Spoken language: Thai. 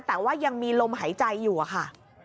แต่ว่ายังมีลมหายใจอยู่อะค่ะ